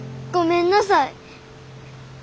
ごめんなさい。